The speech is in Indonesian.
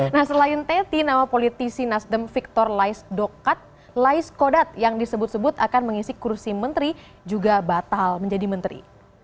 nah selain teti nama politisi nasdem victor lais dokat lais kodat yang disebut sebut akan mengisi kursi menteri juga batal menjadi menteri